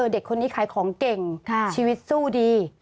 เด็กคนนี้ขายของเก่งชีวิตสู้ดี